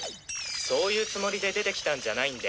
そういうつもりで出てきたんじゃないんで！